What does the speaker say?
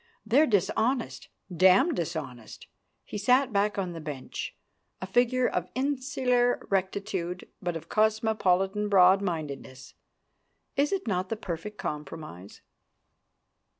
They're dishonest damned dishonest." He sat back on the bench, a figure of insular rectitude but of cosmopolitan broadmindedness. Is it not the perfect compromise?